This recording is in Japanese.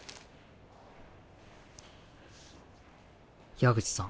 矢口さん。